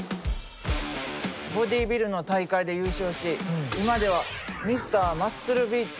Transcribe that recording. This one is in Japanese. ボディービルの大会で優勝し今では「ミスターマッスルビーチ」と呼ばれるヌシなんや。